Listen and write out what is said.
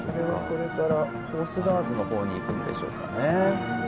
これからホースガーズの方にいくんでしょうかね。